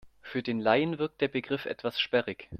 Für den Laien wirkt der Begriff etwas sperrig.